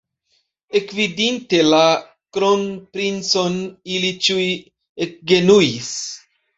Ekvidinte la kronprincon, ili ĉiuj ekgenuis.